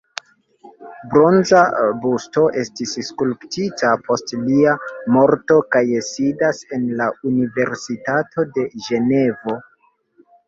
Bronza busto estis skulptita post lia morto kaj sidas en la "Universitato de Ĝenevo".